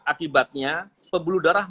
akibatnya pembuluh darah